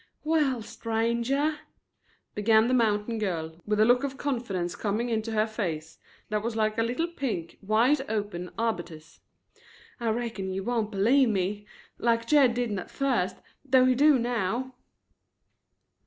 "Well, stranger," began the mountain girl, with a look of confidence coming into her face that was like a little pink wide open arbutus, "I reckon you won't believe me like Jed didn't at first, though he do now."